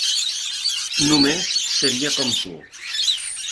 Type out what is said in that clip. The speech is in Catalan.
Només seria com tu.